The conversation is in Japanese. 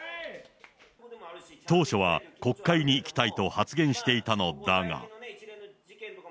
当初は国会に行きたいと発言していたのだが。